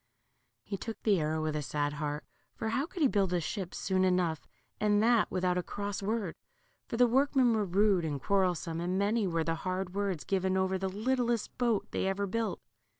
He took the arrow with a sad heart, for how could he build a ship soon enough, and that without a cross word ? for the workmen were rude and quarrelsome, and many were the hard words given over the littlest boat they ever built.